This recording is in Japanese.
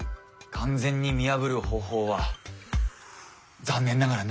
完全に見破る方法は残念ながらないんです。